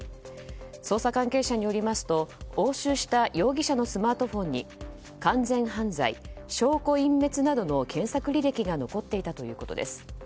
捜査関係者によりますと押収した容疑者のスマートフォンに「完全犯罪」「証拠隠滅」などの検索履歴が残っていたということです。